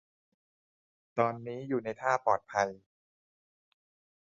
ตอนนี้อยู่ในท่าปลอดภัย